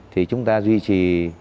thì chúng ta duy trì